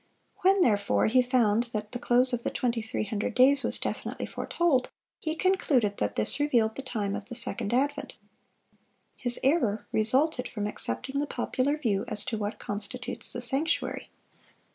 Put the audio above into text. When, therefore, he found that the close of the 2300 days was definitely foretold, he concluded that this revealed the time of the second advent. His error resulted from accepting the popular view as to what constitutes the sanctuary.